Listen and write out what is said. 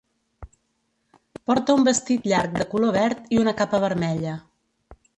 Porta un vestit llarg de color verd i una capa vermella.